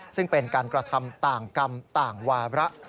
ซึ่งเป็นการกระทำต่างกรรมต่างวาระ